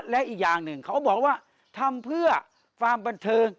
และอีกอย่างหนึ่งเขาก็บอกว่าทำเพื่อความบันเทิง